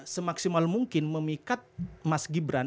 semaksimal mungkin memikat mas gibran